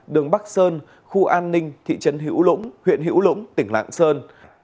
đường bắc sơn khu an ninh thị trấn hữu lũng huyện hữu lũng tỉnh lạng sơn